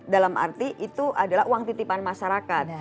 dalam arti itu adalah uang titipan masyarakat